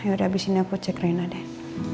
yaudah abis ini aku cek rena deh